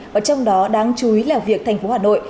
và trong đó đáng chú ý là việc thành phố hà nội